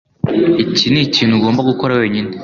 Iki nikintu ugomba gukora wenyine.